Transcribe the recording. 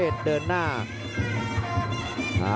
ทุกคนค่ะ